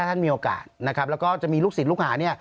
ท่านมีโอกาสนะครับแล้วก็จะมีลูกศิษย์ลูกหาเนี่ย